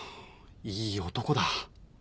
いい男だ。